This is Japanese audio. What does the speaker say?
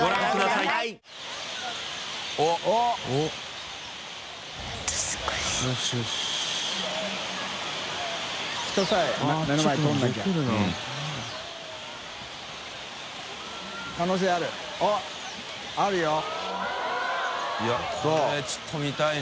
いこれちょっと見たいね。